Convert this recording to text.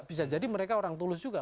bisa jadi mereka orang tulus juga